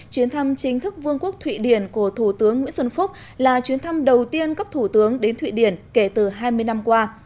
chuyến thăm chính thức vương quốc thụy điển của thủ tướng nguyễn xuân phúc là chuyến thăm đầu tiên cấp thủ tướng đến thụy điển kể từ hai mươi năm qua